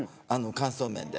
乾燥麺で。